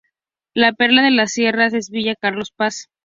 La perla de las sierras es Villa Carlos Paz.